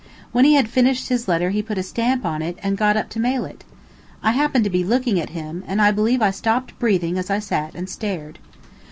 When he had finished his letter he put a stamp on it and got up to mail it. I happened to be looking at him, and I believe I stopped breathing as I sat and stared.